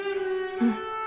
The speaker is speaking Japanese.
うん。